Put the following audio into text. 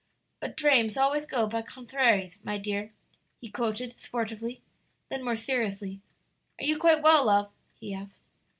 "But 'drames always go by conthraries, my dear,'" he quoted sportively. Then more seriously, "Are you quite well, love?" he asked.